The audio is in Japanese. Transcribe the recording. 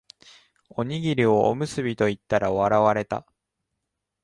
おにぎりをおむすびと言ったら笑われた